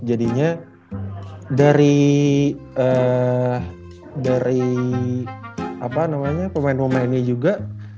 jadinya dari pemain pemainnya juga